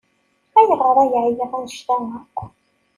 Ayɣer ay ɛyiɣ anect-a akk?